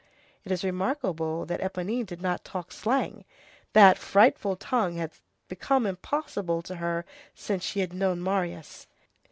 It is remarkable that Éponine did not talk slang. That frightful tongue had become impossible to her since she had known Marius.